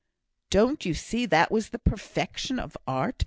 "Don't you see that was the perfection of art?